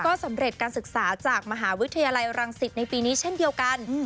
ก็สำเร็จการศึกษาจากมหาวิทยาลัยรังสิตในปีนี้เช่นเดียวกัน